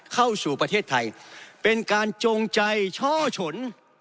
เข้าสู่ประเทศไทยเป็นการจงใจช่อฉน